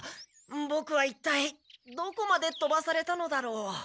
ボクはいったいどこまでとばされたのだろう。